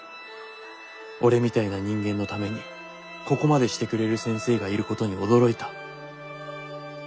俺みたいな人間のためにここまでしてくれる先生がいることに驚いた」。